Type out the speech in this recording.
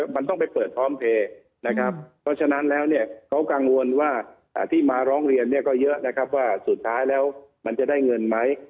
มันต้องไปเปิดพร้อมเพลย์นะครับเพราะฉะนั้นแล้วเนี่ยเขากังวลว่าที่มาร้องเรียนเนี่ยก็เยอะนะครับว่าสุดท้ายแล้วมันจะได้เงินไหม